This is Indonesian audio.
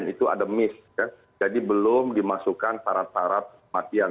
itu ada miss jadi belum dimasukkan para para kematian